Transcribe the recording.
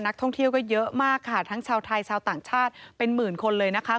นักท่องเที่ยวก็เยอะมากค่ะทั้งชาวไทยชาวต่างชาติเป็นหมื่นคนเลยนะคะ